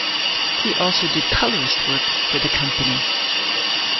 He also did colorist work for the company.